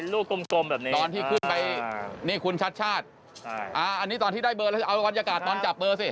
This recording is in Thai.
เป็นลูกกลมแบบนี้คุณชัดอันนี้ตอนที่ได้เบอร์เอาบรรยากาศตอนจับเบอร์สิ